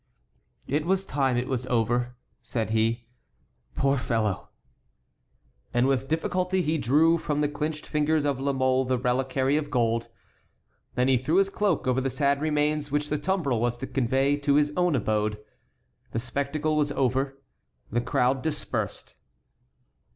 "It was time it was over," said he. "Poor fellow!" And with difficulty he drew from the clinched fingers of La Mole the reliquary of gold. Then he threw his cloak over the sad remains which the tumbril was to convey to his own abode. The spectacle over, the crowd dispersed.